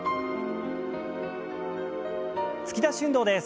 突き出し運動です。